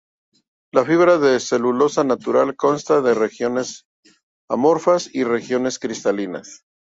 La fibra de celulosa natural consta de regiones amorfas y regiones cristalinas.